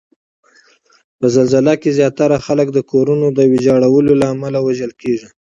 په زلزله کې زیاتره خلک د کورونو د ویجاړولو له امله وژل کیږي